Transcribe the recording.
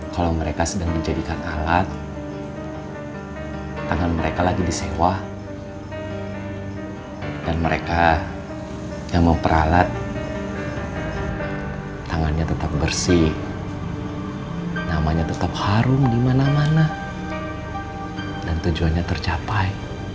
kalau mereka sedang dijadikan alat tangan mereka lagi disewa dan mereka yang memperalat tangannya tetap bersih namanya tetap harum di mana mana dan tujuannya tercapai